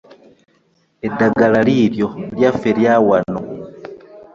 Eddagala liiryo lyaffe lya wano.